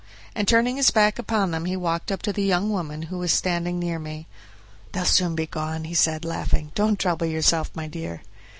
And turning his back upon them he walked up to the young woman, who was standing near me. "They'll soon be gone," he said, laughing; "don't trouble yourself, my dear."